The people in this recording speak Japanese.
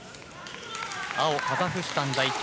青、カザフスタン代表